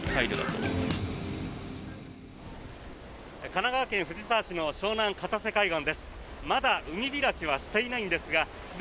神奈川県藤沢市の湘南・片瀬海岸です。